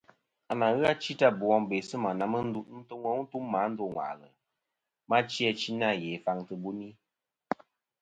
À nà ghɨ achi ta bò wom bê sɨ̂ mà na yi n-nî tum mà a ndô ŋwàʼlɨ, ma chi achi nâ ghè faŋ tɨ̀ buni.